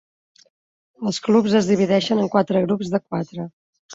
Els clubs es divideixen en quatre grups de quatre.